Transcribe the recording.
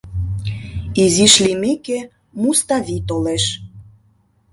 Изиш лиймеке, Муставий толеш.